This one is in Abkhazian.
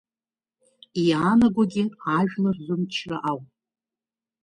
Иаанагогьы ажәлар рымчра ауп.